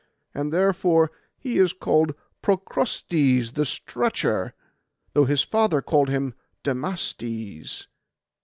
And therefore he is called Procrustes the stretcher, though his father called him Damastes.